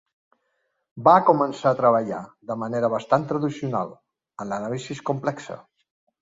Va començar a treballar, de manera bastant tradicional, en l'anàlisi complexe.